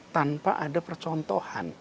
tanpa ada percontohan